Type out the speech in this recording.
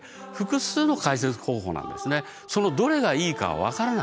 そのどれがいいかは分からない。